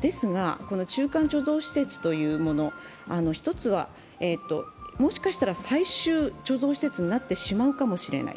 ですがこの中間貯蔵施設というもの一つはもしかしたら最終貯蔵施設になってしまうかもしれない。